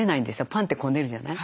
パンってこねるじゃない？